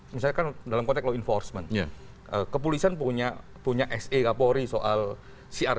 bisa kan dalam konteks law enforcement ya kepolisian punya punya sdk porti soal car